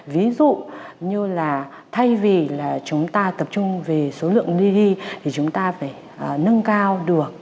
ví dụ như là thay vì chúng ta tập trung về số lượng đi đi thì chúng ta phải nâng cao được